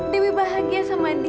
dewi bahagia sama andrei